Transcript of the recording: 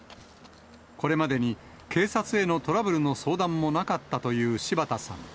これまでに警察へのトラブルの相談もなかったという柴田さん。